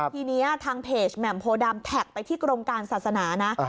ทีนี้ทางเพจแหม่มโพดำแท็กไปที่กรมการศาสนานะ